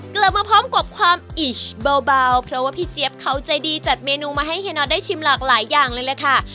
กลับมาพร้อมกับความอิชเบาเพราะว่าพี่เจี๊ยบเขาใจดีจัดเมนูมาให้เฮียน็อตได้ชิมหลากหลายอย่างเลยล่ะค่ะ